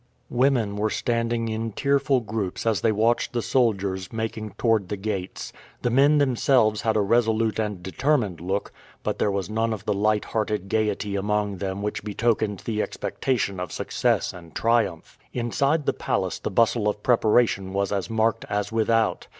Women were standing in tearful groups as they watched the soldiers making toward the gates. The men themselves had a resolute and determined look, but there was none of the light hearted gayety among them which betokened the expectation of success and triumph. Inside the palace the bustle of preparation was as marked as without.